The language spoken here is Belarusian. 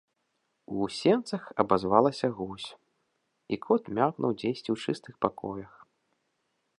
У сенцах абазвалася гусь, і кот мяўкнуў дзесьці ў чыстых пакоях.